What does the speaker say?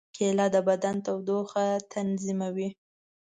کېله د بدن تودوخه تنظیموي.